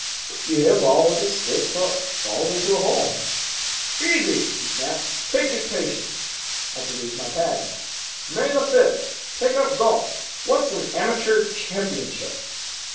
"You hit a ball with a stick till it falls into a hole." "Easy!" he snapped. "Take dictation." I produced my pad. "May the fifth, take up golf. What's an Amateur Championship?"